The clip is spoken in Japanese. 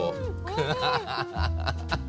アハハハハ！